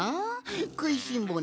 くいしんぼうな